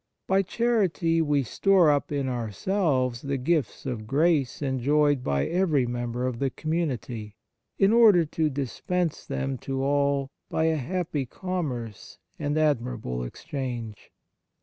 By charity we store up in ourselves the gifts of grace enjoyed by every member of the community, in order to dispense them to all by a happy commerce and admirable exchange.